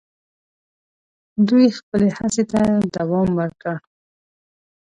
دوی خپلي هڅي ته دوم ورکړ.